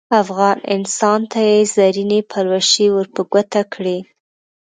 افغان انسان ته یې زرینې پلوشې ور په ګوته کړې.